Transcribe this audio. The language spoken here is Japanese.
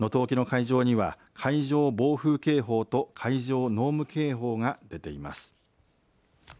能登沖の海上には海上暴風警報と海上濃霧警報が出ています。